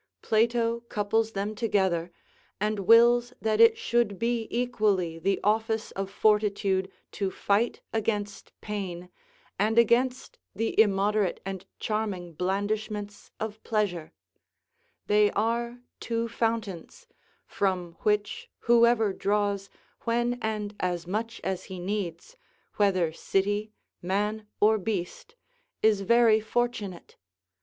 Plato couples them together, and wills that it should be equally the office of fortitude to fight against pain, and against the immoderate and charming blandishments of pleasure: they are two fountains, from which whoever draws, when and as much as he needs, whether city, man, or beast, is very fortunate.